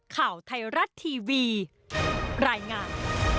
ข่าวไทยรัฐทีวีรายงาน